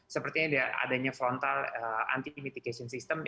sepertinya adanya frontal anti mitigation system